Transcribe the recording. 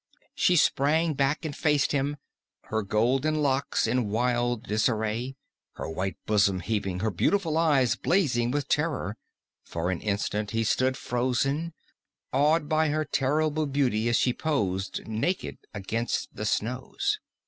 She sprang back and faced him, her golden locks in wild disarray, her white bosom heaving, her beautiful eyes blazing with terror. For an instant he stood frozen, awed by her terrible beauty as she posed naked against the snows.